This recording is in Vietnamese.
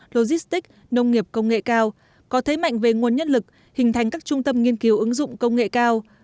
logistic nông nghiệp công nghệ cao có thế mạnh về nguồn nhân lực hình thành các trung tâm nghiên cứu ứng dụng công nghệ cao